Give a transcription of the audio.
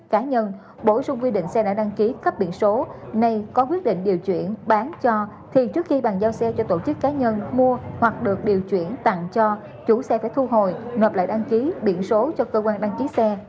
cá nhân bổ sung quy định xe đã đăng ký cấp biển số nay có quyết định điều chuyển bán cho thì trước khi bàn giao xe cho tổ chức cá nhân mua hoặc được điều chuyển tặng cho chủ xe phải thu hồi nộp lại đăng ký biển số cho cơ quan đăng ký xe